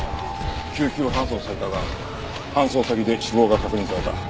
救急搬送されたが搬送先で死亡が確認された。